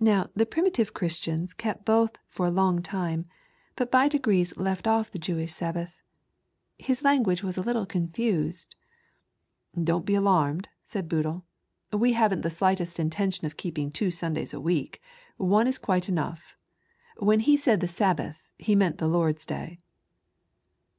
Now the primitive Christians kept both for a long time, but by degrees left off the Jewish Sabbath. His language was a little confaacd." " Don't be alarmed," said Boodle, " we haven't the slightest intention of keeping two Sundays a week, one is quite enough. When he said the Sabbath, he meant the Lord's Day."